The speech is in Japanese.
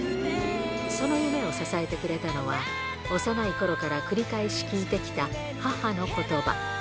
その夢を支えてくれたのは、幼いころから繰り返し聞いてきた母のことば。